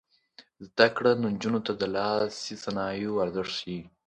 زده کړه نجونو ته د لاسي صنایعو ارزښت ښيي.